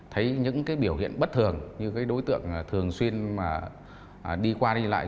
thấy những biểu hiện bất thường như đối tượng thường xuyên đi qua đi lại